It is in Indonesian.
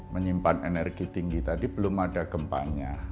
menyimpan energi tinggi tadi belum ada gempanya